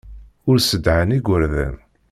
Ur ssedhan igerdan.